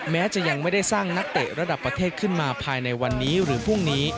แม้จะยังไม่ได้สร้างนักเตะระดับประเทศขึ้นมาภายในวันนี้หรือพรุ่งนี้